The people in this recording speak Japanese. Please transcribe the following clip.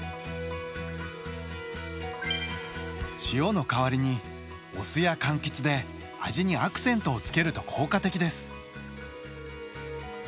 塩の代わりにお酢やカンキツで味にアクセントをつけると効果的です。